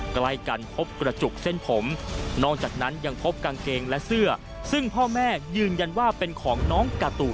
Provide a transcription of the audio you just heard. ใกล้กันพบกระจุกเส้นผมนอกจากนั้นยังพบกางเกงและเสื้อซึ่งพ่อแม่ยืนยันว่าเป็นของน้องการ์ตู